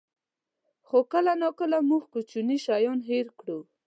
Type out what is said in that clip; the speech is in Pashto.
خو کله ناکله موږ کوچني شیان هېر کړو.